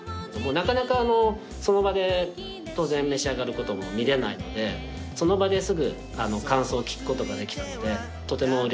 なかなかその場で当然召し上がることも見れないのでその場ですぐ感想を聞くことができたのでとてもうれしかったです。